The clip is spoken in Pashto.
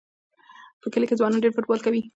په کلي کې ځوانان ډېر فوټبال کوي.